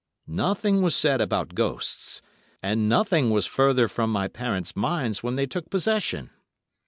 Nothing was said about ghosts, and nothing was further from my parents' minds when they took possession.